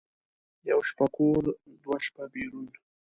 یوه شپه کور، دوه شپه بېرون.